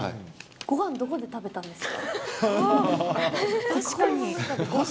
ごはん、どこで食べたんですか？